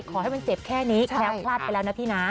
ขอให้มันเจ็บแค่นี้แคล้วคลาดไปแล้วนะพี่นะ